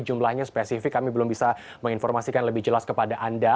jumlahnya spesifik kami belum bisa menginformasikan lebih jelas kepada anda